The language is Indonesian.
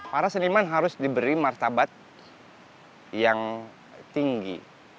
para seniman harus diberi martabat yang tinggi